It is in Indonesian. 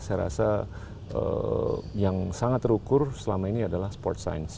saya rasa yang sangat terukur selama ini adalah sport science